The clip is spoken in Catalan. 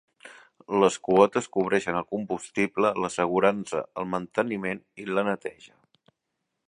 Les quotes cobreixen el combustible, l'assegurança, el manteniment i la neteja.